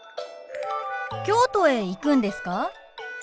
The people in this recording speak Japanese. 京都へ行くんですか？